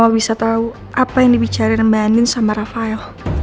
gak mau bisa tau apa yang dibicarain mbak andien sama rafael